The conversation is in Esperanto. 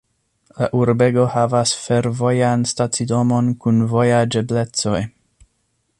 La urbego havas fervojan stacidomon kun vojaĝeblecoj.